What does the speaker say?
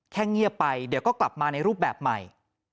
เงียบไปเดี๋ยวก็กลับมาในรูปแบบใหม่